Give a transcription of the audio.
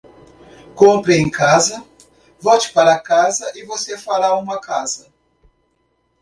Compre em casa, volte para casa e você fará uma casa.